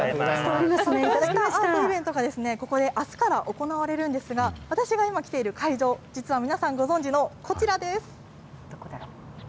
現代アートイベントが、ここであすから行われるんですが、私が今、来ている会場、実は皆さんご存じのこちらです。